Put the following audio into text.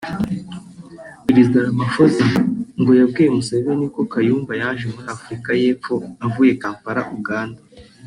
Perezida Ramaphosa ngo yabwiye Museveni ko Kayumba yaje muri Afrika y’Epfo avuye Kampala –Uganda